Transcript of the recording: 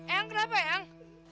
yang kenapa yang